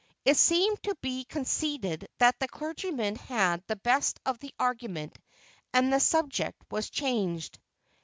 It seemed to be conceded that the clergyman had the best of the argument, and the subject was changed.